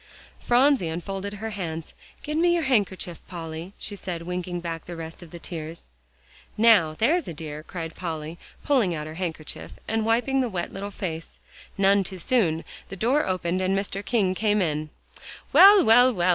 Phronsie unfolded her hands. "Give me your handkerchief, Polly," she said, winking back the rest of the tears. "Now, there's a dear," cried Polly, pulling out her handkerchief and wiping the wet, little face. None too soon; the door opened and Mr. King came in. "Well well well!"